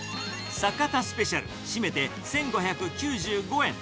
坂田スペシャル、締めて１５９５円。